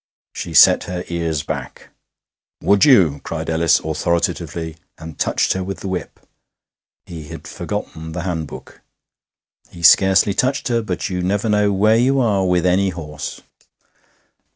She set her ears back. 'Would you!' cried Ellis authoritatively, and touched her with the whip (he had forgotten the handbook). He scarcely touched her, but you never know where you are with any horse.